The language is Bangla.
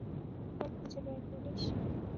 কীভাবে খুঁজে বের করিস?